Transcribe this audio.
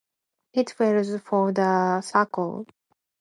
It fails for the circle.